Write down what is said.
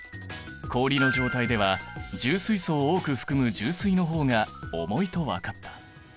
氷の状態では重水素を多く含む重水の方が重いと分かった。